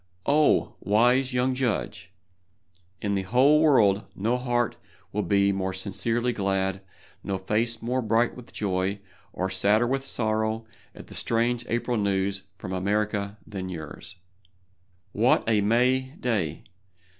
Oh, wise young judge! In the whole world no heart will be more sincerely glad, no face more bright with joy, or sadder with sorrow, at the strange April news from America than yours! What a May day!